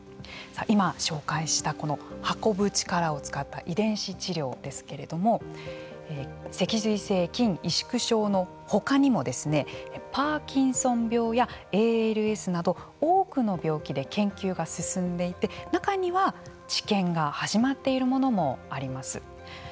今紹介したこの運ぶ力を使った遺伝子治療ですけれども脊髄性筋萎縮症のほかにもパーキンソン病やＡＬＳなど多くの病気で研究が進んでいて中には、治験が始まっているものもあります。